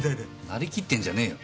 なりきってんじゃねえよ。